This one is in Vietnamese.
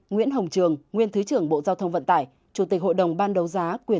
hai nguyễn hồng trường nguyên thứ trưởng bộ giao thông vận tải chủ tịch hội đồng ban đấu giá